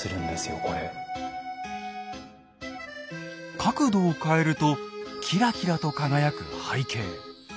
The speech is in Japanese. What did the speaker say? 角度を変えるとキラキラと輝く背景。